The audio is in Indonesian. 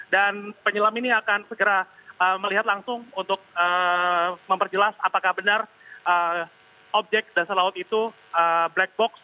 dan penyelam ini akan segera melihat langsung untuk memperjelas apakah benar objek dasar laut itu black box